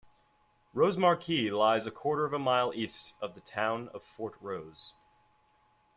Rosemarkie lies a quarter of a mile east of the town of Fortrose.